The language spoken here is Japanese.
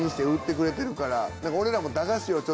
俺らも。